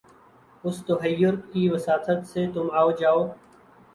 اُس تحیّر کی وساطت سے تُم آؤ جاؤ